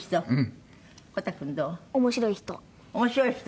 面白い人。